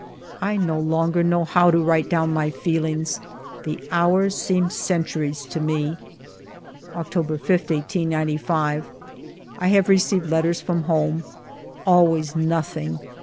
I no longer know how to write down my feel ings ; the hours seem centuries to me. October 5, 1895. I have received letters from home. Always nothing